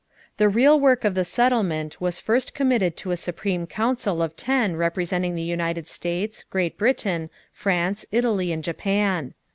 = The real work of the settlement was first committed to a Supreme Council of ten representing the United States, Great Britain, France, Italy, and Japan.